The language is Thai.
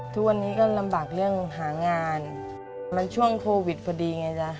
ทุกวันนี้ก็ลำบากเรื่องหางานมันช่วงโควิดพอดีไงจ๊ะ